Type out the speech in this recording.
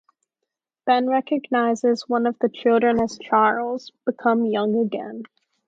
Ben recognizes one of the children as Charles, become young again.